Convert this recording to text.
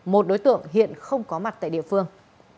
một đối tượng hiện không có mặt tại địa phương